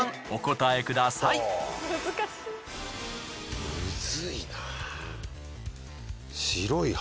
お答えください。